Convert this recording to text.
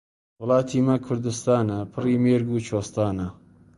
وڵاتی مە کوردستانە، پڕی مێرگ و کوێستانە.